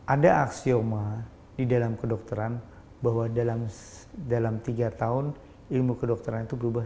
ada aksioma di dalam kedokteran bahwa dalam tiga tahun ilmu kedokteran itu berubah seratus